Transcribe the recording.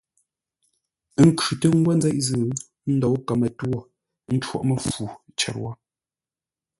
A khʉ̂tə ńgwó nzeʼ zʉ́ ńdǒu kəmə-twô, ə́ ncóghʼ məfu cər wó tə ə́ kuʼ.